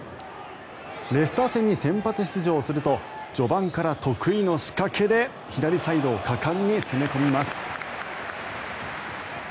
レスター戦に先発出場すると序盤から得意の仕掛けで左サイドを果敢に攻め込みます。